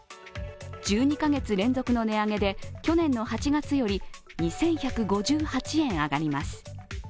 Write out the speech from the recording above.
１２カ月連続の値上げで去年の８月より２１５８円上がります。